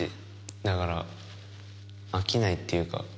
だから飽きないというか。